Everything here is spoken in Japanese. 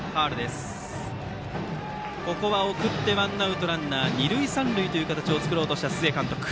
ここは送ってワンアウトランナー、二塁三塁の形を作ろうとした須江監督。